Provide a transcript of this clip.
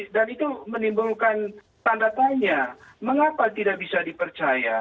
dan itu menimbulkan tanda tanya mengapa tidak bisa dipercaya